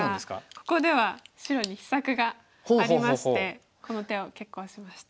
ここでは白に秘策がありましてこの手を決行しました。